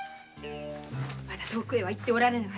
まだ遠くへは行っておられぬはず。